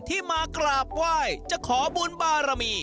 ที่มากราบไหว้จะขอบุญบารมี